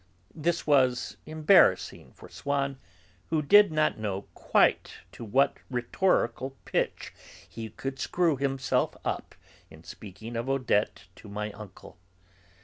This was embarrassing for Swann, who did not know quite to what rhetorical pitch he should screw himself up in speaking of Odette to my uncle.